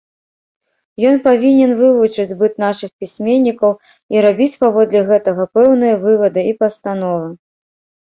Ён павінен вывучыць быт нашых пісьменнікаў і рабіць паводле гэтага пэўныя вывады і пастановы.